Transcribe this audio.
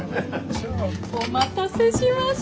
お待たせしました。